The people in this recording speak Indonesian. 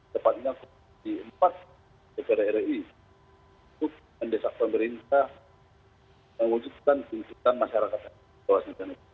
tepatnya di empat dpr ri untuk mendesak pemerintah mengunjukkan keuntungan masyarakat di kawasan dona toba